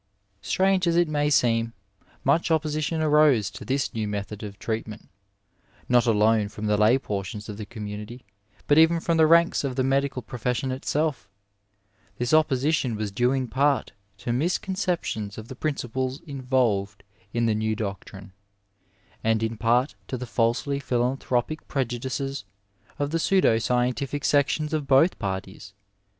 Strange as it may seem, much opposition arose to this 248 Digitized by VjOOQIC MEDICINE IN THE NINETEENTH CENTURY new method of treatment, iiot alone bom the lay p<»r<ionB of the community, but even from the ranks of the medical profession itself. This opposition was due in part to mis conceptions of the principles involved in the new doctrine, and in part to the falsely philanthropic prejudices of the pseudo scientific sections of both parties.